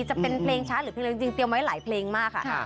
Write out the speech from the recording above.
จะเป็นเพลงช้าหรือเพลงจริงเตรียมไว้หลายเพลงมากค่ะ